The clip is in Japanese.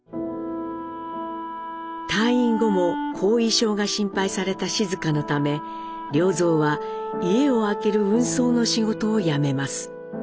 退院後も後遺症が心配された静香のため良三は家を空ける運送の仕事を辞めます。